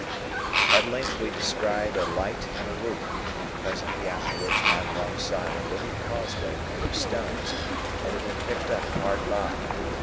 At length we descried a light and a roof, and presently afterwards ran alongside a little causeway made of stones that had been picked up hard by.